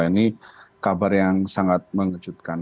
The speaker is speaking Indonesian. ini kabar yang sangat mengejutkan